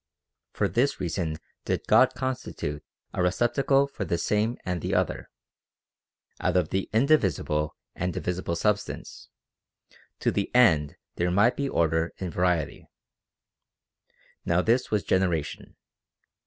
For this reason did God constitute a receptacle for the Same and the Other, out of the indivisible and divisible substance, to the end there might be order in variety. Now this was generation.